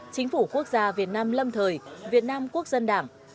chính phủ quốc gia việt nam lâm thời việt nam quốc dân đảng